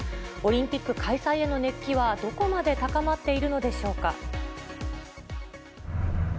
オリンピック開催への熱気は、どこまで高まっているのでしょうか。